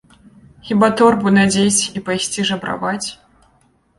Хіба торбу надзець і пайсці жабраваць?